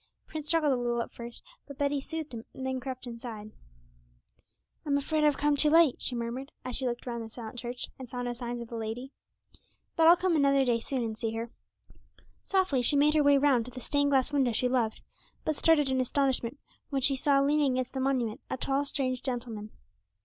Prince struggled a little at first, but Betty soothed him and then crept inside. 'I'm afraid I've come too late,' she murmured, as she looked round the silent church and saw no signs of the lady; 'but I'll come another day soon and see her.' Softly she made her way round to the stained glass window she loved, but started in astonishment when she saw leaning against the monument a tall, strange gentleman.